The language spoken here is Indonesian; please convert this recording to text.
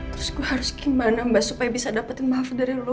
terus gue harus gimana mbak supaya bisa dapetin maaf dari lo